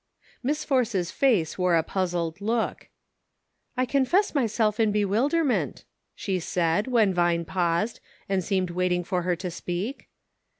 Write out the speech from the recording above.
Miss Force's face wore a puzzled look. " I confess myself in bewilderment," she said, when Vine paused, and seemed waiting for her to speak.